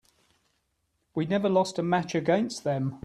We never lost a match against them.